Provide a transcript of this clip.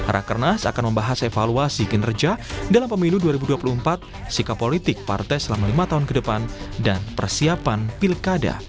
rakernas akan membahas evaluasi kinerja dalam pemilu dua ribu dua puluh empat sikap politik partai selama lima tahun ke depan dan persiapan pilkada